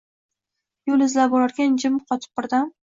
Yo‘l izlab borarkan, jim qotib bir dam